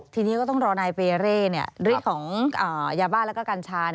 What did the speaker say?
ทีนี้ก็ต้องรอนายเปเร่ฤทธิ์ของยาบ้าและกัญชา